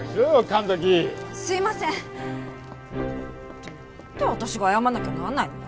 ってなんで私が謝らなきゃなんないのよ。